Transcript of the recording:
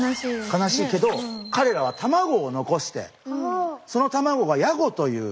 悲しいけどかれらはたまごを残してそのたまごがヤゴという。